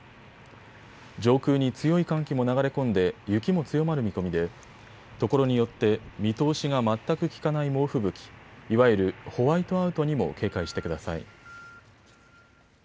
上空に強い寒気も流れ込んで雪も強まる見込みでところによって見通しが全くきかない猛吹雪、いわゆるホワイトアウトにも警戒してください。